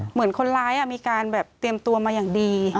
เหมือนคนร้ายมีการแบบเตรียมตัวมาอย่างดี